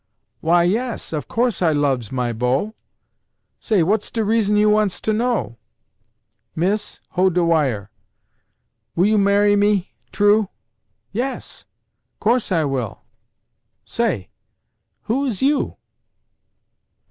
"Why yas Of course I loves my beau Say what's de reason you wants to know?" "Miss hold de wire Will you marry me? True ?" "Yas. Course I will Say. Who is you?"